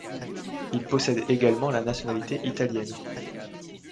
Il possède également la nationalité italienne.